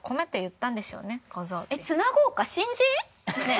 ねえ。